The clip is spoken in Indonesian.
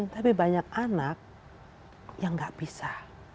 tapi banyak anak yang nggak bisa